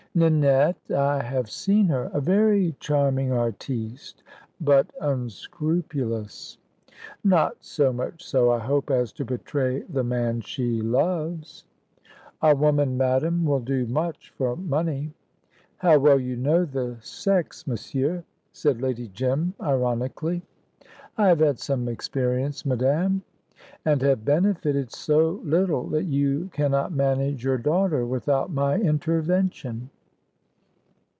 "Ninette? I have seen her a very charming artiste." "But unscrupulous." "Not so much so, I hope, as to betray the man she loves." "A woman, madam, will do much for money." "How well you know the sex, monsieur!" said Lady Jim, ironically. "I have had some experience, madame." "And have benefited so little that you cannot manage your daughter without my intervention."